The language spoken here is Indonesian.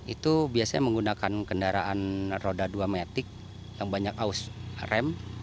itu biasanya menggunakan kendaraan roda dua metik yang banyak aus rem